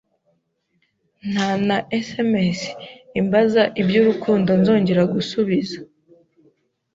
nta na sms imbaza iby’urukundo nzongera gusubiza,